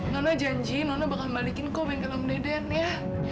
nona janji nona bakal kembalikan kau bengkel om dek den ya